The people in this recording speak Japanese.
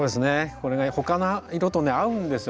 これが他の色と合うんですよ